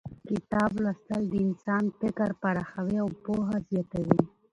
کتاب لوستل د انسان فکر پراخوي او پوهه زیاتوي